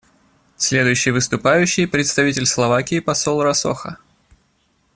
Следующий выступающий — представитель Словакии посол Росоха.